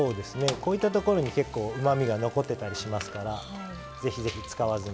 こういったところにうまみが残っていたりしますからぜひぜひ使わずに。